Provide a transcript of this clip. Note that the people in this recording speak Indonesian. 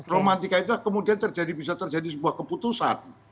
romantika itulah kemudian terjadi bisa terjadi sebuah keputusan